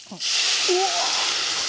うわ！